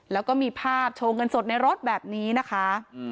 แล้วก็มีภาพโชว์เงินสดในรถแบบนี้นะคะ